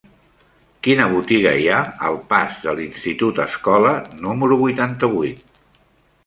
Quina botiga hi ha al pas de l'Institut Escola número vuitanta-vuit?